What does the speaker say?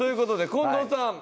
近藤さん